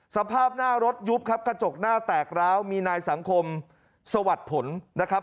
สภาพหน้ารถยุบครับกระจกหน้าแตกร้าวมีนายสังคมสวัสดิ์ผลนะครับ